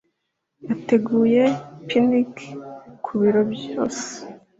yateguye picnic kubiro byose.